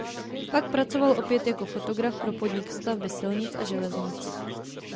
Pak pracoval opět jako fotograf pro podnik "Stavby silnic a železnic".